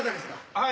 はい。